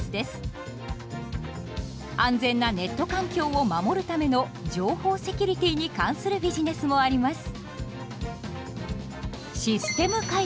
安全なネット環境を守るための情報セキュリティーに関するビジネスもあります。